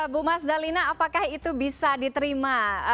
bu mas dalina apakah itu bisa diterima